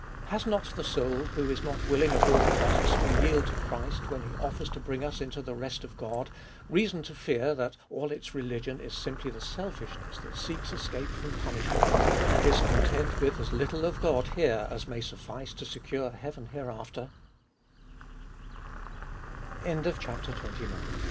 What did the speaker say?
Has not the soul, who is not willing at all costs to yield to Christ when He offers to bring us into the rest of God, reason to fear that all its religion is simply the selfishness that seeks escape from punishment, and is content with as little of God here as may suffice to secure heaven